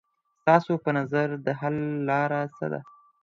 ستاسو په نظر د حل لاره څه ده؟